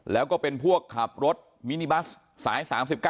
แล้วก็เป็นพวกขับรถมินิบัสสาย๓๙